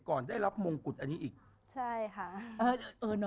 กับมงค์น่ะมันก็พอเลย